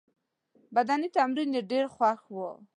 بدني تمرین یې ډېر خوښ وو.